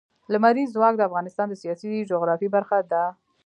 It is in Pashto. لمریز ځواک د افغانستان د سیاسي جغرافیه برخه ده.